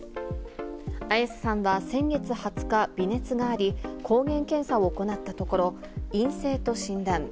綾瀬さんは先月２０日、微熱があり、抗原検査を行ったところ、陰性と診断。